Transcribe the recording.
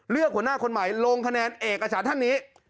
หัวหน้าคนใหม่ลงคะแนนเอกสารท่านนี้